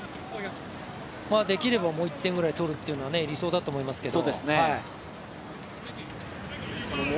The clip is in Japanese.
できればもう１点ぐらいとるっていうのは理想だと思いますけど。